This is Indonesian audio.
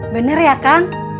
bener ya kang